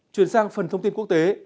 chuyển sang phần thông tin quốc tế